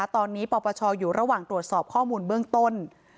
ตอนนี้ปปชอยู่ระหว่างตรวจสอบข้อมูลเบื้องต้น